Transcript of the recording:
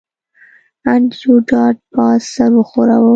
انډریو ډاټ باس سر وښوراوه